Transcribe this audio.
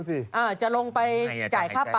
จะลงไปจ่ายค่าปรับ